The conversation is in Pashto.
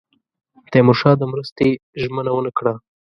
تیمورشاه د مرستې ژمنه ونه کړه.